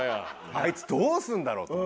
あいつどうするんだろうと。